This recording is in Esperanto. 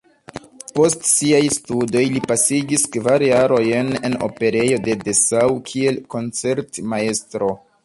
Post siaj studoj li pasigis kvar jarojn en Operejo de Dessau kiel koncertmajstro.